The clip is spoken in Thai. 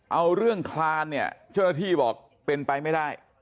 เอาเรื่องคลานเนี่ยเจ้าหน้าที่บอกเป็นไปไม่ได้